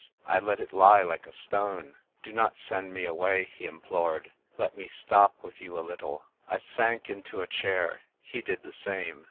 I let it lie like a stone. "Dj not send me away," he im plored. " Let me stop with you a little !" I sank into a chair. He did the same.